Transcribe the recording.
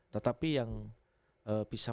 tetapi yang bisa